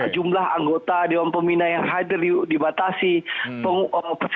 jumlah anggota peminat yang hadir dibatasi peserta pun juga dibatasi